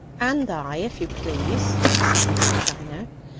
"And I, if you please," said Mr. Shiner.